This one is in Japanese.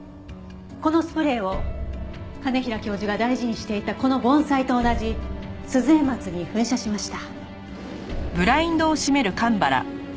このスプレーを兼平教授が大事にしていたこの盆栽と同じスズエマツに噴射しました。